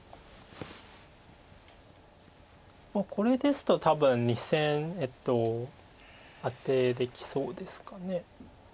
これですと多分２線アテできそうですか。